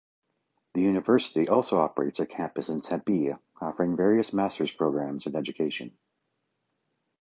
The university also operates a campus in Tempe, offering various master's programs in education.